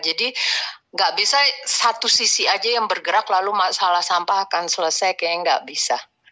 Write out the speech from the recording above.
jadi nggak bisa satu sisi aja yang bergerak lalu masalah sampah akan selesai kayaknya nggak bisa